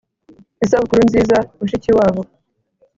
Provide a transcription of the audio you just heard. isabukuru nziza, mushikiwabo!